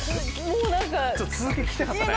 続き聴きたかったね。